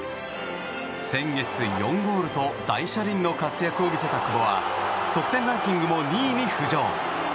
先月、４ゴールと大車輪の活躍を見せた久保は得点ランキングも２位に浮上。